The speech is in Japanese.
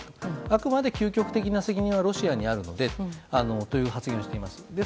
あくまで究極的な責任はロシアにあるのでという発言をしています。